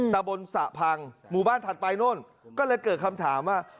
ตะบนสระพังหมู่บ้านถัดไปโน่นก็เลยเกิดคำถามว่า